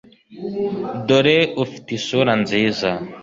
dore ufite isura nziza,